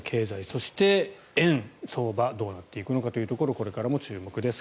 そして、円相場どうなっていくのかというところこれからも注目です。